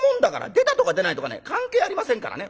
出たとか出ないとかね関係ありませんからね